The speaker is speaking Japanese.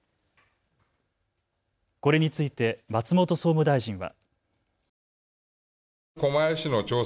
これについて松本総務大臣は。